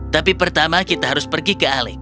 tapi pertama kita harus pergi ke alex